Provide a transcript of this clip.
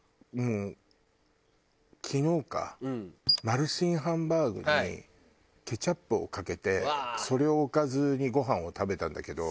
マルシンハンバーグにケチャップをかけてそれをおかずにご飯を食べたんだけど。